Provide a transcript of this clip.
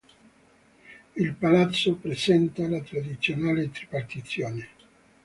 Il palazzo presenta la tradizionale tripartizione.